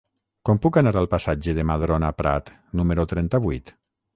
Com puc anar al passatge de Madrona Prat número trenta-vuit?